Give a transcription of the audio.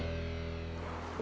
iya udah datang